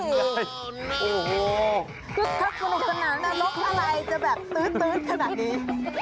ถ้าคุณอยู่สนานนรกอะไรจะตื้อขนาดนี้